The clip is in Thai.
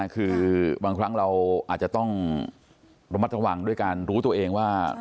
คือบางครั้งเราอาจจะต้องระมัดระวังด้วยการรู้ตัวเองว่า